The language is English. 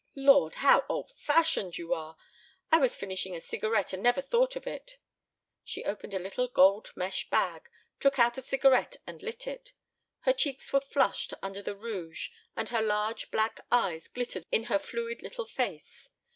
"Lord! How old fashioned you are. I was finishing a cigarette and never thought of it." She opened a little gold mesh bag, took out a cigarette and lit it. Her cheeks were flushed under the rouge and her large black eyes glittered in her fluid little face.